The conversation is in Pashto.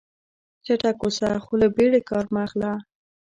چټک اوسه خو له بیړې کار مه اخله.